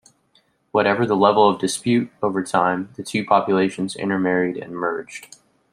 Whatever the level of dispute, over time, the two populations intermarried and merged.